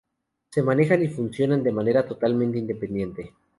Se manejan y funcionan de manera totalmente independiente.